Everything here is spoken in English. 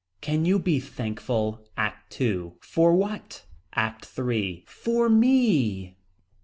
Can you be thankful. ACT II. For what. ACT III. For me.